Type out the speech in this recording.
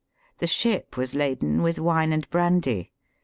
The ship was laden with wine and brandy.